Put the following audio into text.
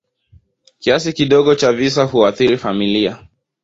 Kiasi kidogo cha visa huathiri familia.